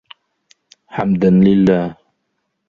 حمداً لله.